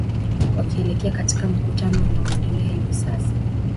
wakielekea katika mkutano unaoendelea sasa hivi